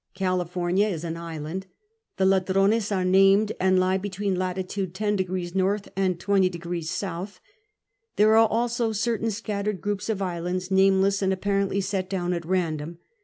California is an island ; the Ladrones are named and lie between lat. 10® N. and 20® S. There arc also certain scattered groups of islands nameless, and apparently set down at random.